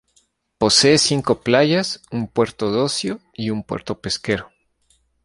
Posee cinco playas, un puerto de ocio y un puerto pesquero.